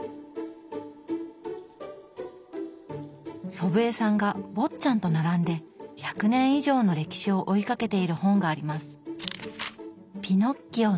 祖父江さんが「坊っちゃん」と並んで１００年以上の歴史を追いかけている本があります。